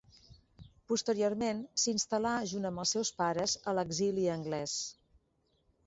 Posteriorment s'instal·là junt amb els seus pares a l'exili anglès.